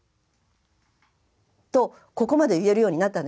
とここまで言えるようになったんです。